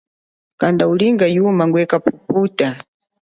Kanda ulinga yuma ngwe kaphuphuta.